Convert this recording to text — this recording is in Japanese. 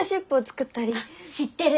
あっ知ってる！